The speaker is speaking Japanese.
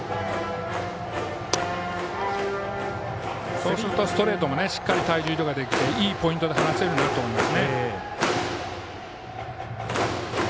そうするとストレートもしっかり体重移動ができていいポイントで放せるようになると思います。